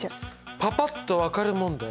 パパっと分かる問題。